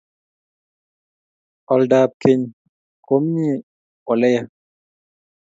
Olda ab keny ko mie ole yaa